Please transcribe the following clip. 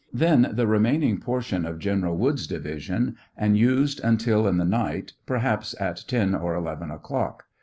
Then the remaining portion of General Woods division, and used until in the night, perhaps, at 10 or 11 o'clock.